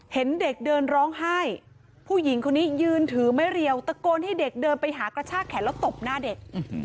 เห็นเด็กเดินร้องไห้ผู้หญิงคนนี้ยืนถือไม้เรียวตะโกนให้เด็กเดินไปหากระชากแขนแล้วตบหน้าเด็ก